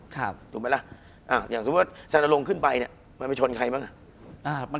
คุณผู้ชมบางท่าอาจจะไม่เข้าใจที่พิเตียร์สาร